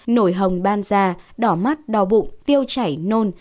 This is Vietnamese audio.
nổi hồng ban da đỏ mắt đỏ bụng tiêu chảy nôn